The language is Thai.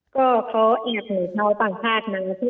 ก็เขาแอบบ่นน้องชาวต่างชาตินะ